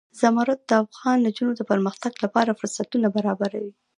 زمرد د افغان نجونو د پرمختګ لپاره فرصتونه برابروي.